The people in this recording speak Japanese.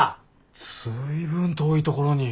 随分遠いところに。